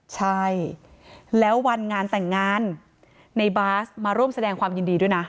ใช่แล้ววันงานแต่งงานในบาสมาร่วมแสดงความยินดีด้วยนะ